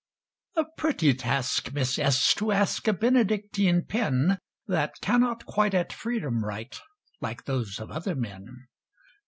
A pretty task, Miss S , to ask A Benedictine pen, That cannot quite at freedom write Like those of other men.